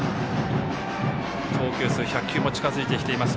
投球数、１００球も近づいてきています